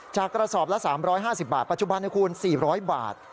กระสอบละ๓๕๐บาทปัจจุบันนะคุณ๔๐๐บาท